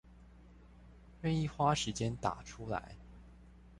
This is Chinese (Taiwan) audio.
願意花時間打出來